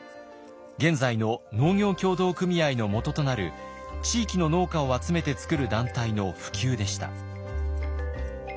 現在の農業協同組合の基となる地域の農家を集めて作る団体の普及でした。